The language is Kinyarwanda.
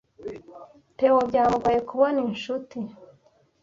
Theo byamugoye kubona inshuti.